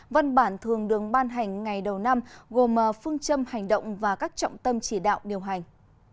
văn bản thường đường ban hành ngày đầu năm gồm phương châm hành động và các trọng tâm chỉ đạo điều hành